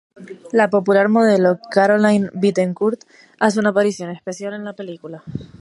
La popular modelo Caroline Bittencourt hace una aparición especial en la película.